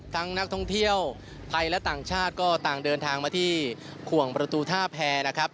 นักท่องเที่ยวไทยและต่างชาติก็ต่างเดินทางมาที่ขวงประตูท่าแพรนะครับ